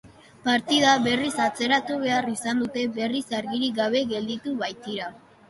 Partida berriz atzeratu behar izan dute, berriz argirik gabe gelditu baitira.